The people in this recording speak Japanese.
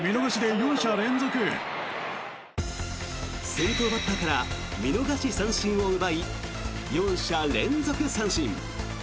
先頭バッターから見逃し三振を奪い４者連続三振。